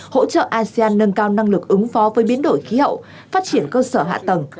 hỗ trợ asean nâng cao năng lực ứng phó với biến đổi khí hậu phát triển cơ sở hạ tầng